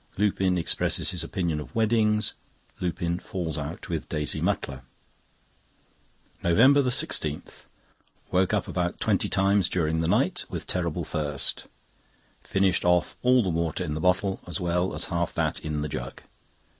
Lupin expresses his opinion of Weddings. Lupin falls out with Daisy Mutlar. NOVEMBER 16.—Woke about twenty times during the night, with terrible thirst. Finished off all the water in the bottle, as well as half that in the jug.